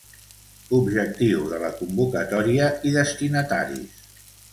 Objectiu de la convocatòria i destinataris.